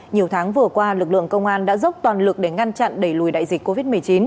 nhiều tháng vừa qua lực lượng công an đã dốc toàn lực để ngăn chặn đẩy lùi đại dịch covid một mươi chín